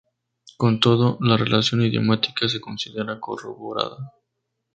Con todo, la relación idiomática se considera corroborada.